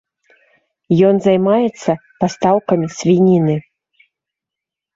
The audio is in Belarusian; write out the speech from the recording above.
Ён займаецца пастаўкамі свініны.